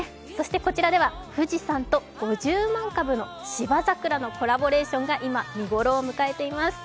こちらでは富士山と５０万株の芝桜のコラボレーションが見頃を迎えています